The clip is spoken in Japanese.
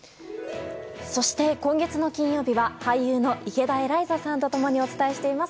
そして今月の金曜日は俳優の池田エライザさんと共にお伝えしています。